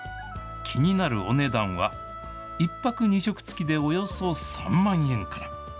気になるお値段は、１泊２食付きでおよそ３万円から。